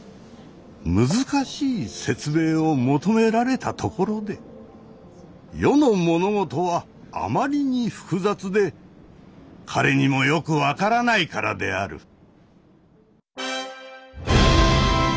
難しい説明を求められたところで世の物事はあまりに複雑で彼にもよく分からないからである。